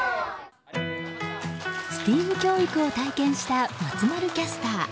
ＳＴＥＡＭ教育を体験した松丸キャスター。